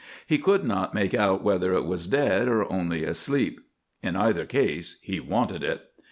He could not make out whether it was dead or only asleep. In either case he wanted it.